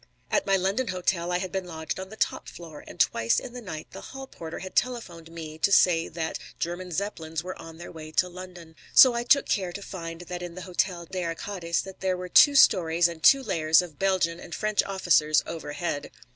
At my London hotel I had been lodged on the top floor, and twice in the night the hall porter had telephoned me to say that German Zeppelins were on their way to London. So I took care to find that in the Hotel des Arcades there were two stories and two layers of Belgian and French officers overhead.